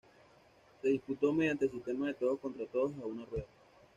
Se disputó mediante sistema de todos contra todos a una rueda.